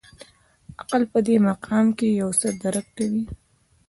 عقل په دې مقام کې یو څه درک کوي.